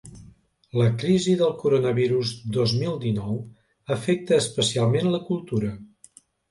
La crisi del coronavirus dos mil dinou afecta especialment la cultura.